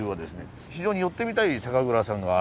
非常に寄ってみたい酒蔵さんがあるんですね。